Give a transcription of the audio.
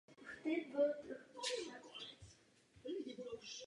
Z toho důvodu obec opustilo velké množství obyvatel hlásících se k české národnosti.